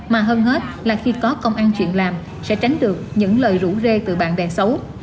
mà hơn hết là khi có công ăn chuyện làm sẽ tránh được những lời rủ rê từ bạn bè xấu